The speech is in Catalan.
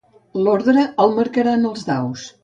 L'ordre el marcaran els daus.